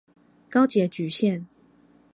高捷橘線